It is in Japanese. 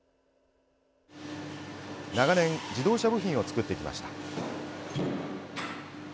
長年、自動車部品を作ってきました。